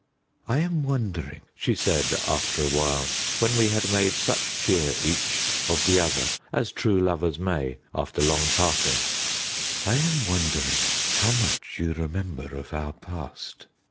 "I am wondering," she said after a while, when we had made such cheer each of the other as true lovers may after long parting "I am wondering how much you remember of our past."